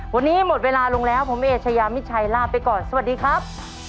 วันนี้หมดเวลาลงแล้วผมเอเชยามิชัยลาไปก่อนสวัสดีครับ